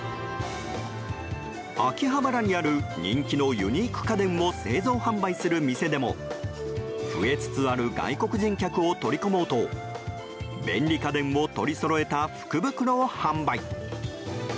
秋葉原にある人気のユニーク家電を製造販売する店でも増えつつある外国人客を取り込もうと便利家電を取りそろえた福袋を販売。